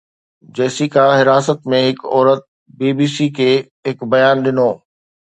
Jessica, حراست ۾ هڪ عورت، بي بي سي کي هڪ بيان ڏنو